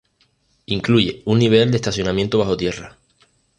Incluye un nivel de estacionamiento bajo tierra.